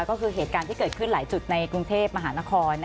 ก็คือเหตุการณ์ที่เกิดขึ้นหลายจุดในกรุงเทพมหานคร